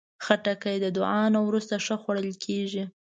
خټکی د دعا نه وروسته ښه خوړل کېږي.